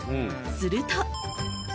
［すると］